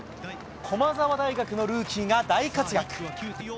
駒澤大学のルーキーが大活躍。